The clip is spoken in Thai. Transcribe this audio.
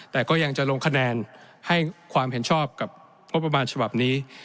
แต่ก็ยังจะลงคะแนนให้ความเห็นชอบกับงบประมาณฉบับนี้